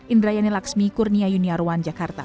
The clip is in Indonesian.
indrayani laksmi kurnia yuniarwan jakarta